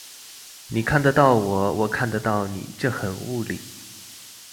你看得到我，我看得到你，這很物理